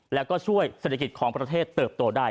แล้วก็ช่วยเศรษฐกิจของประเทศเติบโตได้